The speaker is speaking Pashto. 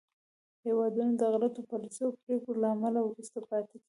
هېوادونه د غلطو پالیسیو او پرېکړو له امله وروسته پاتې کېږي